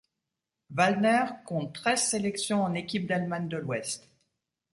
Waldner compte treize sélections en équipe d'Allemagne de l'Ouest.